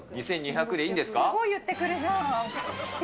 すごいいってくるじゃん。